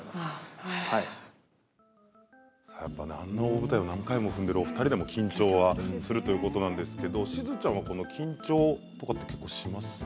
舞台を何回も踏んでいるお二人も緊張するということなんですが、しずちゃんは緊張とかはしますか？